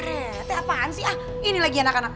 rete apaan sih ah ini lagi anak anak